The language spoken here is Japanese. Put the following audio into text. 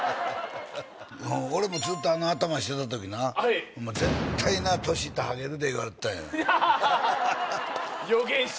俺もずっとあの頭してた時な絶対な年いったらハゲるで言われてたんや予言者